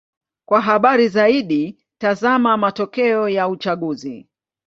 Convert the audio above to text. Kwa habari zaidi: tazama matokeo ya uchaguzi.